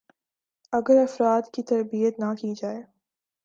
ا گر افراد کی تربیت نہ کی جائے